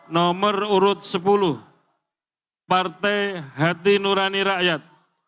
nomor urut sepuluh partai hati nurani rakyat